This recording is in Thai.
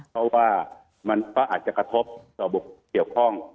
เพราะว่ามันก็อาจจะกระทบต่อบุคคลเกี่ยวข้อง